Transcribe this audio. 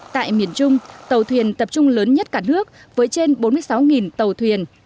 tại miền trung tàu thuyền tập trung lớn nhất cả nước với trên bốn mươi sáu tàu thuyền